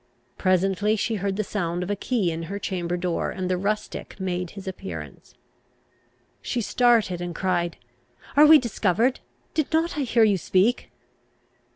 Presently she heard the sound of a key in her chamber door, and the rustic made his appearance. She started, and cried, "Are we discovered? did not I hear you speak?"